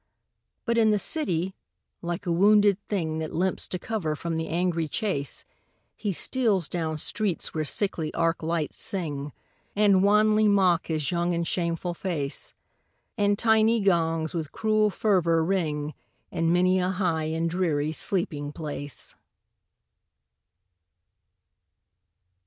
But in the city, like a wounded thing That limps to cover from the angry chase, He steals down streets where sickly arc lights sing, And wanly mock his young and shameful face; And tiny gongs with cruel fervor ring In many a high and dreary sleeping place.